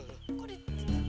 eh itu gayanya shelby tuh